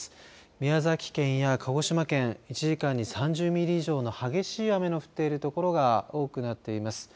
宮崎県や鹿児島県１時間に３０ミリ以上の激しい雨の降っている所が多くなっています。